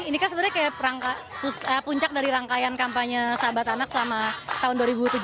ini kan sebenarnya kayak puncak dari rangkaian kampanye sahabat anak selama tahun dua ribu tujuh belas